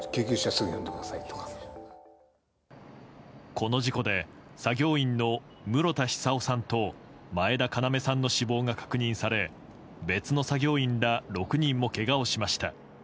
この事故で作業員の室田久生さんと前田要さんの死亡が確認され別の作業員ら６人もけがをしました。